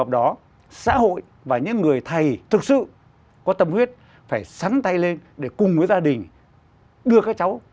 đưa các cháu